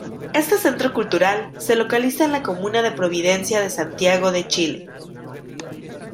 Este centro cultural se localiza en la comuna de Providencia de Santiago de Chile.